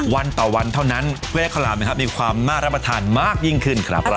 วันต่อวันเท่านั้นเว่คลามนะครับมีความน่ารับประทานมากยิ่งขึ้นครับ